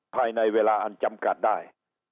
ภายในเวลาอันจำกัดได้